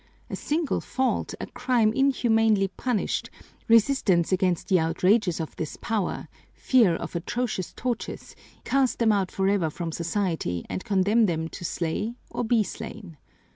A single fault, a crime inhumanly punished, resistance against the outrages of this power, fear of atrocious tortures, east them out forever from society and condemn them to slay or be slain.